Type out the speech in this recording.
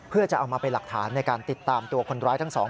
เพื่อจะเอามาเป็นหลักฐานในการติดตามตัวคนร้ายทั้งสอง